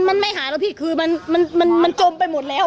มันไม่หายแล้วพี่คือมันจมไปหมดแล้ว